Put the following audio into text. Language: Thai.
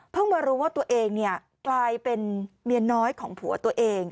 มารู้ว่าตัวเองกลายเป็นเมียน้อยของผัวตัวเอง